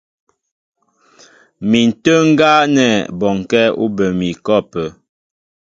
Mi ǹtə́ə́ ŋgá nɛ́ bɔnkɛ́ ú bə mi ikɔ ápə́.